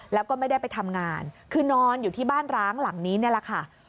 แล้วก็ไม่ได้ไปทำงานคือนอนอยู่ที่บ้านร้างหลังนี้นี่แหละค่ะ